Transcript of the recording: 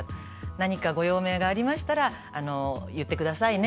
「何かご用命がありましたら言ってくださいね」